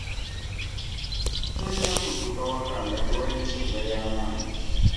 Tolina kudduka waka nga tewali nsonga yamanyi.